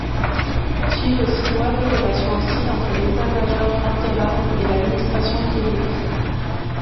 Suivent six mois de relations hostiles entre l'état major interarmes et l'administration Kennedy.